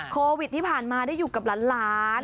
โควิดที่ผ่านมาได้อยู่กับหลาน